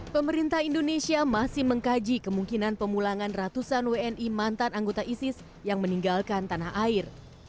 pemerintah indonesia masih mengkaji kemungkinan pemulangan ratusan wni mantan anggota isis yang meninggalkan tanah air